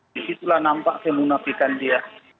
disitulah nampak kemunafikan dia